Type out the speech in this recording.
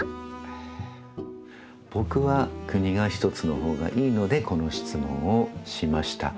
「ぼくは国がひとつのほうがいいのでこのしつもんをしました」。